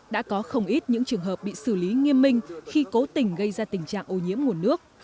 đã có không ít những trường hợp bị xử lý nghiêm minh khi cố tình gây ra tình trạng ô nhiễm nguồn nước